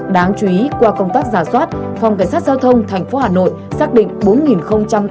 đáng chú ý qua công tác giả soát phòng cảnh sát giao thông tp hà nội xác định